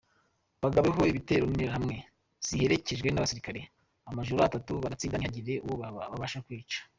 Bagabweho ibitero n’Interahamwe ziherekejwe n’abasirikare amajoro atatu bakabatsinda ntihagire uwo babasha kwica.